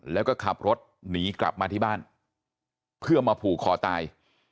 แล้วก็ขับรถหนีกลับมาที่บ้านเพื่อมาผูกคอตาย